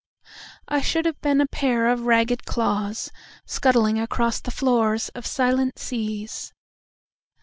…I should have been a pair of ragged clawsScuttling across the floors of silent seas.